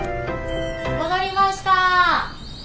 ・・戻りました。